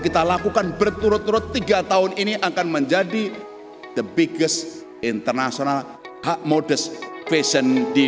kita lakukan berturut turut tiga tahun ini akan menjadi the biggest international hak modest fashion di